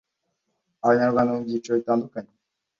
Abanyarwanda mu byiciro bitandukanye